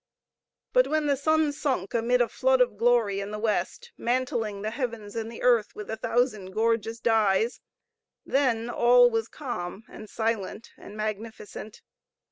But when the sun sunk amid a flood of glory in the west, mantling the heavens and the earth with a thousand gorgeous dyes, then all was calm, and silent, and magnificent.